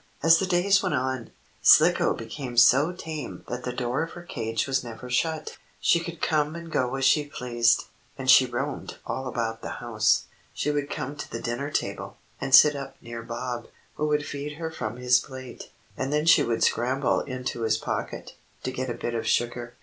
As the days went on, Slicko became so tame that the door of her cage was never shut. She could come and go as she pleased, and she roamed all about the house. She would come to the dinner table, and sit up near Bob, who would feed her from his plate. And then she would scramble into his pocket, to get a bit of sugar.